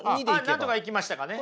なんとかいきましたかね？